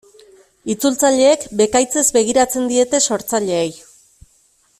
Itzultzaileek bekaitzez begiratzen diete sortzaileei.